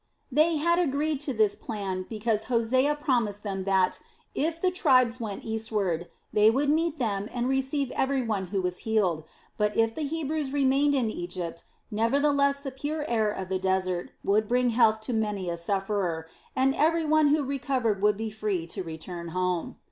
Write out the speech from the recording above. They had agreed to this plan because Hosea promised them that, if the tribes went eastward, they would meet them and receive everyone who was healed; but if the Hebrews remained in Egypt, nevertheless the pure air of the desert would bring health to many a sufferer, and every one who recovered would be free to return home.